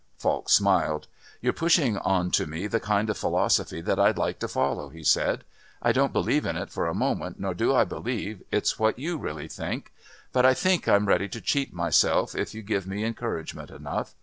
Falk smiled. "You're pushing on to me the kind of philosophy that I'd like to follow," he said. "I don't believe in it for a moment nor do I believe it's what you really think, but I think I'm ready to cheat myself if you give me encouragement enough.